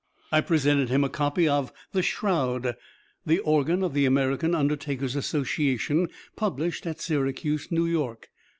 I presented him a copy of "The Shroud," the organ of the American Undertakers' Association, published at Syracuse, New York.